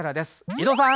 伊藤さん。